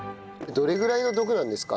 どれぐらいの毒なんですか？